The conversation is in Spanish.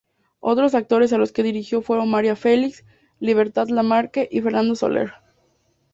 Otros actores a los que dirigió fueron María Felix, Libertad Lamarque y Fernando Soler.